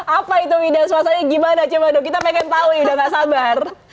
apa itu wida suasananya gimana coba dong kita pengen tahu ya udah gak sabar